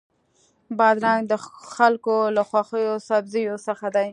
بادرنګ د خلکو له خوښو سبزیو څخه دی.